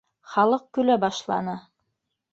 Халыҡ көлә башланы.